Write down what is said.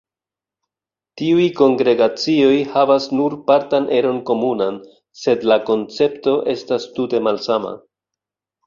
Tiuj kongregacioj havas nur partan eron komunan, sed la koncepto estas tute malsama.